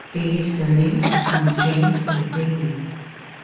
Bailey's surname to become James A. Bailey.